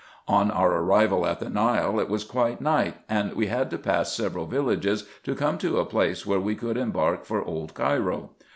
On our arrival at the Nile it was quite night, and we had to pass several villages to come to a place where we could embark for old Cairo.